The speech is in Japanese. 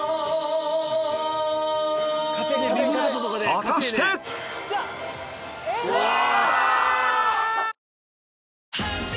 果たして⁉うあ！